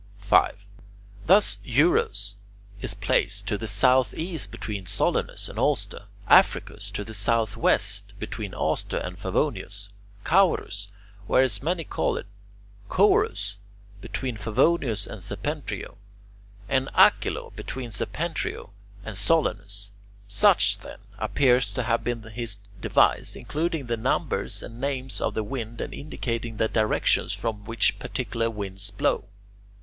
5. Thus Eurus is placed to the southeast between Solanus and Auster: Africus to the southwest between Auster and Favonius; Caurus, or, as many call it, Corus, between Favonius and Septentrio; and Aquilo between Septentrio and Solanus. Such, then, appears to have been his device, including the numbers and names of the wind and indicating the directions from which particular winds blow.